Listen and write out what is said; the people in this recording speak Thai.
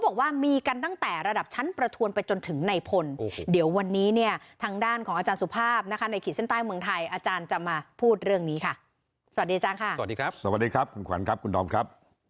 สวัสดีครับสวัสดีครับคุณขวัญครับคุณดอมครับ